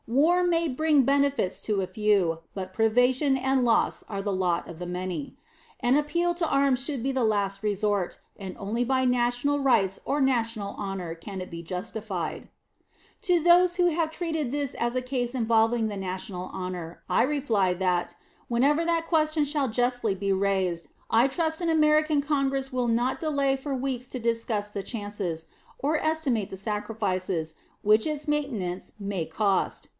War may bring benefits to a few, but privation and loss are the lot of the many. An appeal to arms should be the last resort, and only by national rights or national honor can it be justified. To those who have treated this as a case involving the national honor, I reply that, whenever that question shall justly be raised, I trust an American Congress will not delay for weeks to discuss the chances, or estimate the sacrifices, which its maintenance may cost.